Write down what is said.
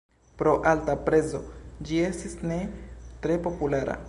Pro alta prezo ĝi estis ne tre populara.